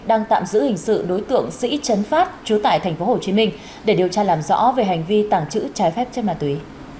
đang tạm giữ hình sự đối tượng sĩ chấn phát trú tại tp hcm để điều tra làm rõ về hành vi tàng trữ trái phép chất ma túy